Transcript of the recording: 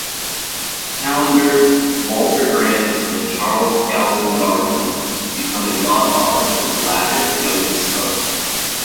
Callender, Walter Grant and Charles Galton Darwin, becoming godfather to the latter's youngest son.